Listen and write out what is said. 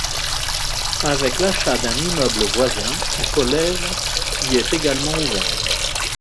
Avec l’achat d’un immeuble voisin un collège y est également ouvert.